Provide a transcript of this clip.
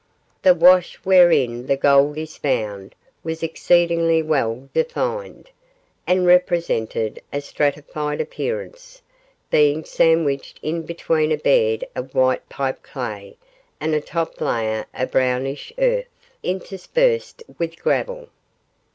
The wash wherein the gold is found was exceedingly well defined, and represented a stratified appearance, being sandwiched in between a bed of white pipe clay and a top layer of brownish earth, interspersed with gravel.